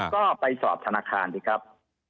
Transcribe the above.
ก็ไปสอบธนาคารสิครับ